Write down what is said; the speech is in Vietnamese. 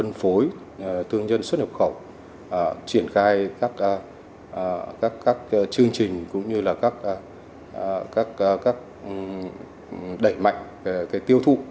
doanh nghiệp thương nhân xuất nhập khẩu triển khai các chương trình cũng như các đẩy mạnh tiêu thụ